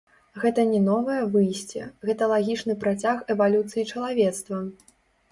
Гэта не новае выйсце, гэта лагічны працяг эвалюцыі чалавецтва.